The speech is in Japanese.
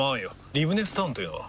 リブネスタウンというのは？